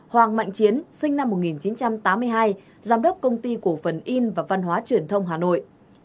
hoàng mạnh chiến sinh năm một nghìn chín trăm tám mươi hai giám đốc công ty cổ phần in và văn hóa truyền thông hà nội